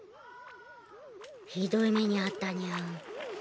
ひどい目にあったニャン。